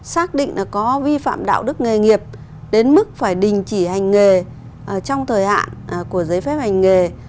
xác định là có vi phạm đạo đức nghề nghiệp đến mức phải đình chỉ hành nghề trong thời hạn của giấy phép hành nghề